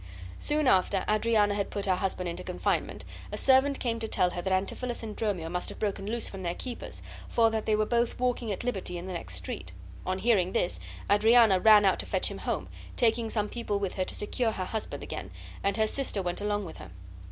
Soon after Adriana had put her husband into confinement a servant came to tell her that Antipholus and Dromio must have broken loose from their keepers, for that they were both walking at liberty in the next street. On hearing this Adriana ran out to fetch him home, taking some people with her to secure her husband again; and her sister went along with her.